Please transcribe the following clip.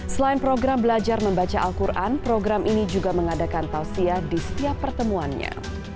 selain program belajar membaca al quran program ini juga mengadakan tausiah di setiap pertemuannya